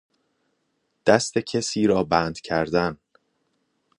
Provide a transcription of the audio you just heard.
دست کسی را بند کردن